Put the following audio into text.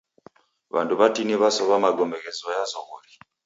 W'andu w'atini w'asowa magome ghezoya zoghori.